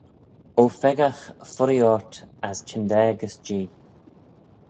O pheccagh, fuirree ort, as çhyndaa gys Jee.